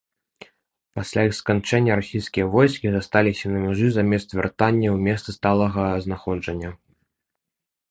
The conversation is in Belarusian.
Пасля іх сканчэння расійскія войскі засталіся на мяжы замест вяртання ў месцы сталага знаходжання.